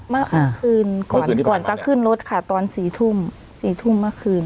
เมื่อคืนก่อนจะขึ้นรถค่ะตอนสี่ทุ่มเมื่อคืน